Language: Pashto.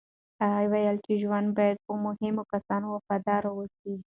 هغې وویل، ژوند کې باید په مهمو کسانو وفادار اوسې.